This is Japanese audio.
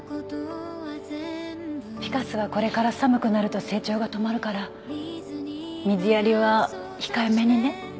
フィカスはこれから寒くなると成長が止まるから水やりは控えめにね。